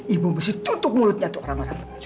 ibu mesti tutup mulutnya tuh orang orang